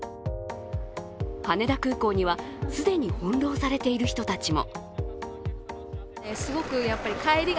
羽田空港には既に翻弄されている人たちも。